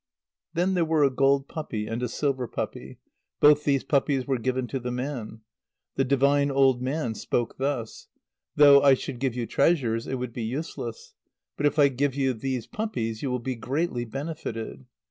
Then there were a gold puppy and a silver puppy. Both these puppies were given to the man. The divine old man spoke thus: "Though I should give you treasures, it would be useless. But if I give you these puppies, you will be greatly benefited.